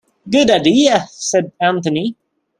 "Good idea," said Anthony.